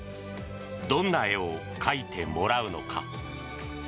どんな絵を描いてもらうのか。